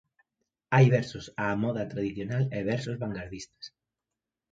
Hai versos á moda tradicional e versos vangardistas.